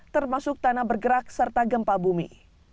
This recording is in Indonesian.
termasuk tanah bergerak serta gempa bumi